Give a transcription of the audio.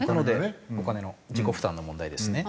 お金の自己負担の問題ですね。